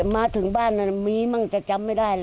มาถึงบ้านนั้นมีมั้งแต่จำไม่ได้เลย